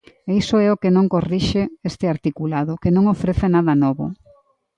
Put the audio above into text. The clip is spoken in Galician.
E iso é o que non corrixe este articulado, que non ofrece nada novo.